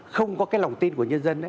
không có cái lòng tin của nhân dân